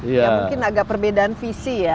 ya mungkin agak perbedaan visi ya